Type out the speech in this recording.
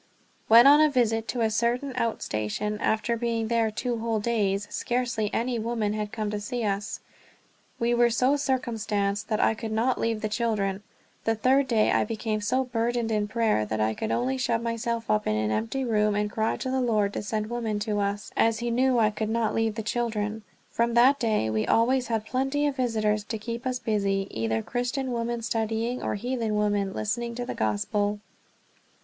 When on a visit to a certain out station, after being there two whole days, scarcely any women had come to see us. We were so circumstanced that I could not leave the children. The third day I became so burdened in prayer that I could only shut myself up in an empty room and cry to the Lord to send women to us, as he knew I could not leave the children. From that day we always had plenty of visitors to keep us busy, either Christian women studying or heathen women listening to the Gospel.